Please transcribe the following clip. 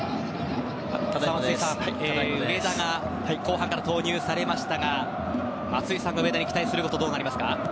上田が後半から投入されましたが松井さんが上田に期待することはどうなりますか？